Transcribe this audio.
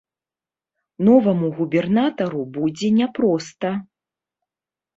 Новаму губернатару будзе няпроста.